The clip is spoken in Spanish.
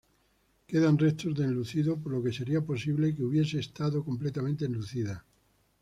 Quedan restos de enlucido por lo que sería posible que hubiese estado completamente enlucida.